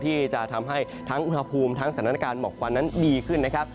ที่จะทำให้ทั้งอุณหภูมิทั้งสถานการณ์หมอกควันนั้นดีขึ้นนะครับ